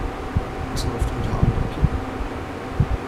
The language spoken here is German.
Was läuft heute Abend im Kino?